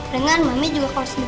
dengan mami juga kau sendiri